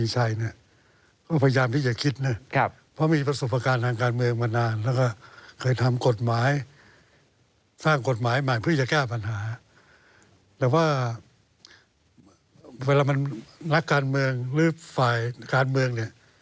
แต่ว่าเวลามันนักการเมืองหรือฝ่ายการเมืองเนี่ย